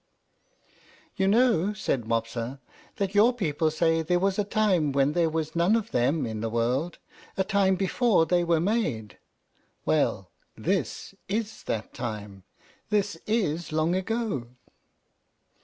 "You know," said Mopsa, "that your people say there was a time when there were none of them in the world, a time before they were made. Well, THIS is that time. This is long ago."